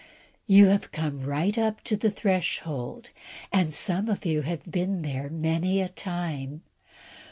You have come right up to the threshhold, and some of you have been there many a time.